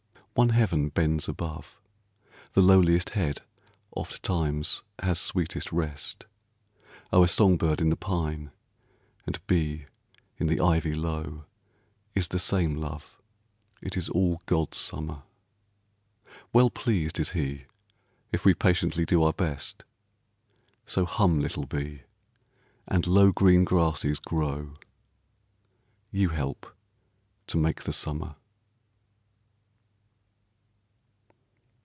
One heaven bends above; The lowliest head ofttimes has sweetest rest; O'er song bird in the pine, and bee in the ivy low, Is the same love, it is all God's summer; Well pleased is He if we patiently do our best, So hum little bee, and low green grasses grow, You help to make the summer.